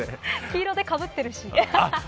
黄色でかぶってるし。